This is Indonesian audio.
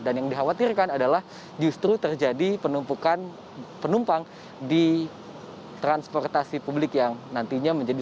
dan yang dikhawatirkan adalah justru terjadi penumpang di transportasi publik yang nantinya menjadi